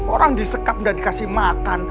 orang disekat dan dikasih makan